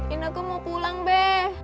ineku mau pulang be